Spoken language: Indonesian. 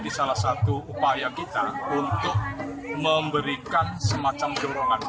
jadi salah satu upaya kita untuk memberikan semacam gerongan